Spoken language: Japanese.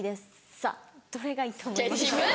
さぁどれがいいと思いますか？」。